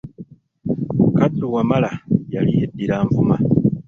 Kadduwamala yali yeddira Nvuma.